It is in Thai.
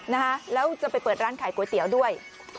นะคะแล้วจะไปเปิดร้านขายก๋วยเตี๋ยวด้วย